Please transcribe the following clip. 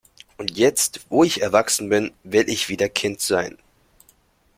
Und jetzt, wo ich erwachsen bin, will ich wieder Kind sein.